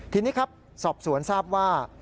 ทีนี้ครับสอบสวนทราบว่า